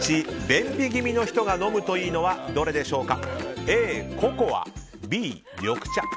便秘気味の人が飲むといいのはどれでしょうか。